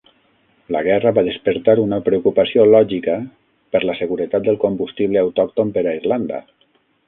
La guerra va despertar una preocupació lògica per la seguretat del combustible autòcton per a Irlanda.